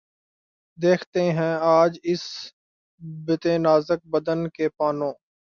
دکھتے ہیں آج اس بتِ نازک بدن کے پانو